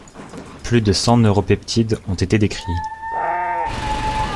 Plus de cent neuropeptides ont été décrits.